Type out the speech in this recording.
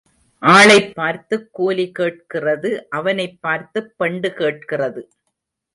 ஆளைப் பார்த்துக் கூலி கேட்கிறது அவனைப் பார்த்துப் பெண்டு கேட்கிறது.